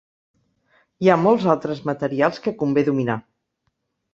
Hi ha molts altres materials que convé dominar.